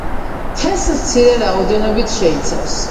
თესლს მცირე რაოდენობით შეიცავს.